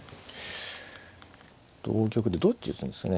同玉でどっち打つんですかね。